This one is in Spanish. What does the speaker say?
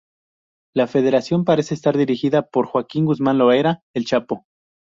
La Federación parece estar dirigida por Joaquín Guzmán Loera, "el Chapo".